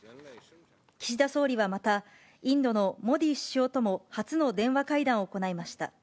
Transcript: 岸田総理はまた、インドのモディ首相とも初の電話会談を行いました。